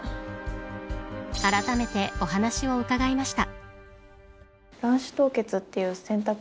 あらためてお話を伺いました。